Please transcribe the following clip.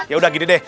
ya udah gini deh